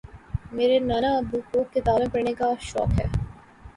میرے نانا ابو کو کتابیں پڑھنے کا شوق ہے